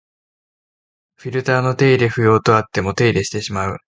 フィルターの手入れ不要とあっても手入れしてしまう